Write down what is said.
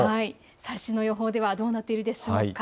最新の予報ではどうなっているでしょうか。